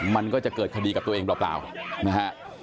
มันก็จะเกิดคดีกับตัวเองเปล่านะฮะ